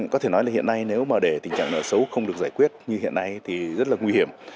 có thể nói là hiện nay nếu mà để tình trạng nợ xấu không được giải quyết như hiện nay thì rất là nguy hiểm